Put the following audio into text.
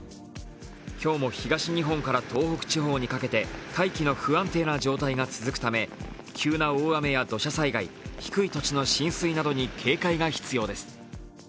今日も東日本から東北地方にかけて大気の不安定な状態が続くため、急な大雨や土砂災害、低い土地の浸水などに警戒が必要です。